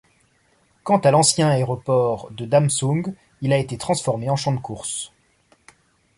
Quant à l'ancien aéroport de Damxung, il a été transformé en champ de courses.